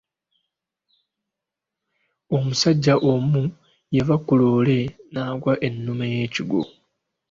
Omusajja omu yava ku loole n'aggwa ennume y'ekigwo.